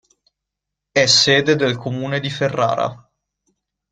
È sede del comune di Ferrara.